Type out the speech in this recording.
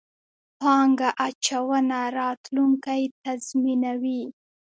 پانګه اچونه، راتلونکی تضمینوئ